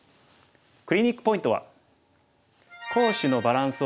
クリニックポイントは。